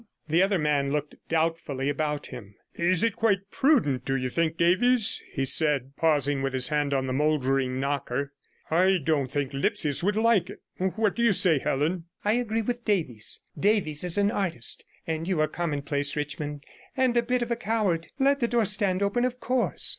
The other man looked doubtfully about him. 'Is it quite prudent, do you think, Davies?' he said, pausing with his hand on the mouldering knocker. 'I don't think Lipsius would like it. What do you say, Helen?' 'I agree with Davies. Davies is an artist, and you are commonplace, Richmond, and a bit of a coward. Let the door stand open, of course.